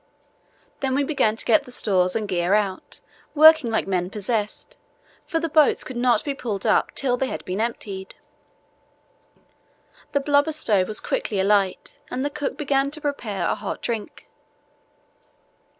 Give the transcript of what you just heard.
Then we began to get the stores and gear out, working like men possessed, for the boats could not be pulled up till they had been emptied. The blubber stove was quickly alight and the cook began to prepare a hot drink.